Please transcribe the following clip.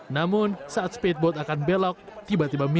namun saat speedboat akan belok tiba tiba